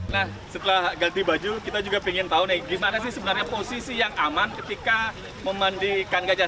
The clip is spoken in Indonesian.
nah setelah ganti baju kita juga ingin tahu nih gimana sih sebenarnya posisi yang aman ketika memandikan gajah